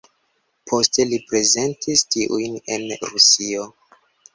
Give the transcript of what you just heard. Poste li prezentis tiujn en Rusio.